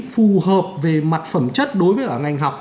phù hợp về mặt phẩm chất đối với cả ngành học